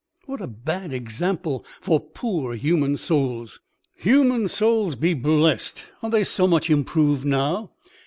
What a bad example for poor human souls!" "Human souls be blessed! Are they so much improved now?...